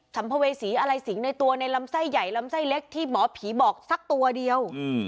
ัมภเวษีอะไรสิงในตัวในลำไส้ใหญ่ลำไส้เล็กที่หมอผีบอกสักตัวเดียว